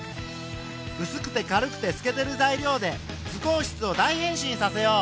うすくて軽くてすけてる材料で図工室を大変身させよう。